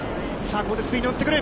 ここでスピードに乗ってくる。